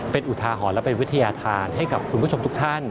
เป็นอุทาหรณ์และเป็นวิทยาธารให้กับคุณผู้ชมทุกท่าน